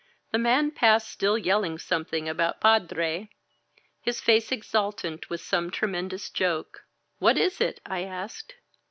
The man passed, still yelling something about *^padrey his face exultant with some tremendous joke. "What is it?" I asked.